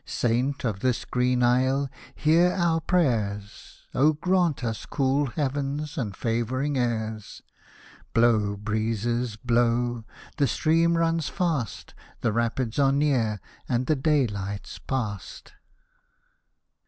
Saint of this green isle ! hear our prayers, Oh, grant us cool heavens and favouring airs. Blow, breezes, blow, the stream runs fast. The Rapids are near and the daylight's past.